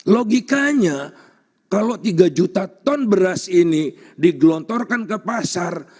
logikanya kalau tiga juta ton beras ini digelontorkan ke pasar